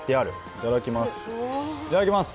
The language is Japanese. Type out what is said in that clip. いただきます！